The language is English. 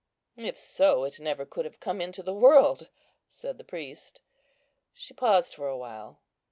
"If so, it never could have come into the world," said the priest. She paused for a while.